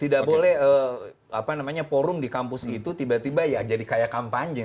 tidak boleh apa namanya forum di kampus itu tiba tiba ya jadi kayak kampanye